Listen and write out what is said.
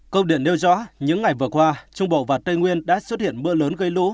công điện nêu rõ những ngày vừa qua trung bộ và tây nguyên đã xuất hiện mưa lớn gây lũ